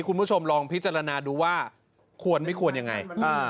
คุณผู้ชมลองพิจารณาดูว่าควรไม่ควรยังไง